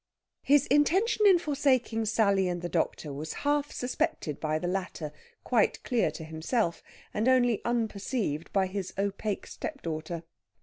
His intention in forsaking Sally and the doctor was half suspected by the latter, quite clear to himself, and only unperceived by his opaque stepdaughter.